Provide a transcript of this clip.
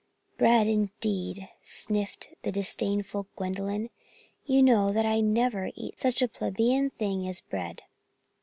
"Bread, indeed," sniffed the disdainful Gwendolyn. "You know that I never eat such a plebian thing as bread."